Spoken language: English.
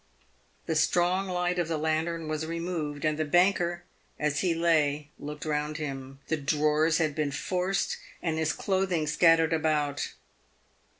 The strong light of the lantern was removed, and the banker, as he lay, looked round him. The drawers had been forced, and his clothing scattered about.